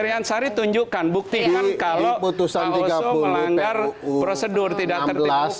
pak ansori tunjukkan buktikan kalau pak oso melanggar prosedur tidak tertib hukum